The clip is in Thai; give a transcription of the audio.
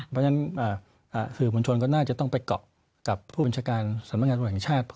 เพราะฉะนั้นสื่อบุญชนก็น่าจะต้องไปเกาะกับผู้บัญชาการสมัยงานธุรกิจชาติ